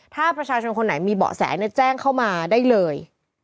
ถ้าประชาชนคนไหนมีเบาะแสแจ้งเข้ามาได้เลย